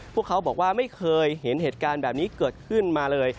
พวกเขาบอกว่าไม่เคยเห็นเหตุการณ์แบบนี้เกิดขึ้นมาเลย